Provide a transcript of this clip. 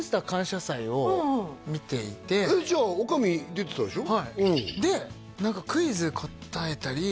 それは僕あのえっじゃあ女将出てたでしょ？